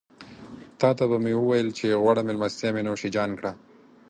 تاته به مې وويل چې غوړه مېلمستيا مې نوشيجان کړه.